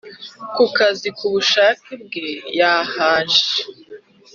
ku kazi ku bushake bwe yahaje